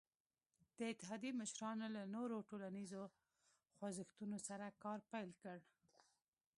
د اتحادیې مشرانو له نورو ټولنیزو خوځښتونو سره کار پیل کړ.